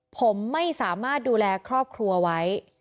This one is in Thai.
ผมไม่สามารถดูแลครอบครัวไว้